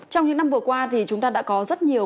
trong những năm vừa qua thì chúng ta đã có rất nhiều